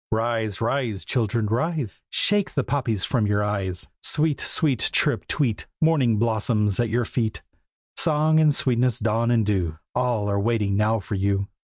Rise! rise! children, rise! Shake the poppies from your eyes. Sweet! sweet! chirrup! tweet! Morning blossoms at your feet. Song and sweetness, dawn and dew, All are waiting now for you.